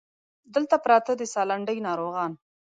دلته پراته د سالنډۍ ناروغان